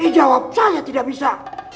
jawab saya tidak bisa